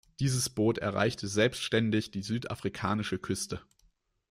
Dieses Boot erreichte selbstständig die südafrikanische Küste.